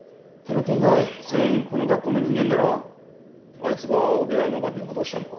あいつが宇部や野上を脅したのか？